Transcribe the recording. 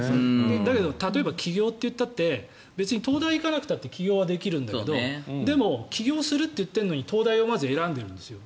例えば、起業といったって東大に行かなくたって起業はできるんだけどでも、起業するといっているのにまず東大を選んでいるんですよ。